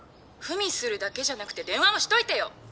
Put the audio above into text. ＦＵＭＩするだけじゃなくて電話もしといてよ！